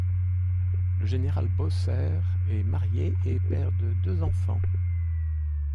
Le général Bosser est marié et père de deux enfants.